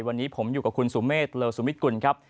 วันนี้ผมอยู่กับคุณสุเมฆเลอสุมิตกุลครับ